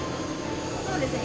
そうですね。